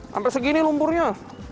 sampai segini lumpurnya